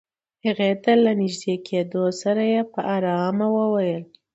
هغې ته له نژدې کېدو سره يې په آرامه وويل.